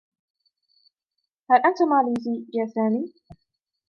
هل أنتَ ماليزي يا سامي؟